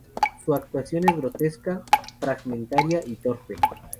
Su actuación es grotesca, fragmentaria y torpe".